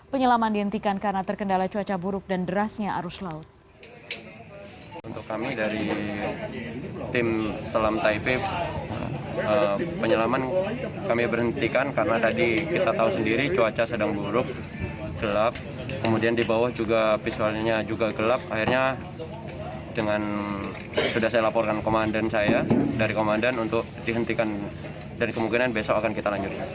penyelaman dihentikan karena terkendala cuaca buruk dan derasnya arus laut